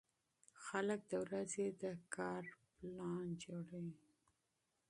خلک د ورځې د کار پلان جوړوي